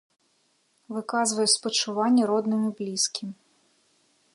Выказваю спачуванне родным і блізкім.